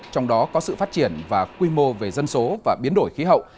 trong đó có sự phát triển và quy mô về dân số và biến đổi khí hậu